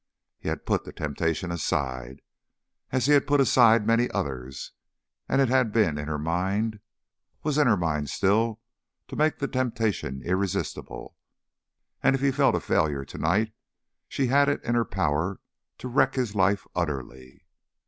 He had put the temptation aside, as he had put aside many others; and it had been in her mind, was in her mind still, to make the temptation irresistible. And if he felt a failure to night, she had it in her power to wreck his life utterly.